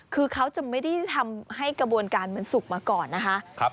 คือเขาจะไม่ได้ทำให้กระบวนการมันสุกมาก่อนนะคะ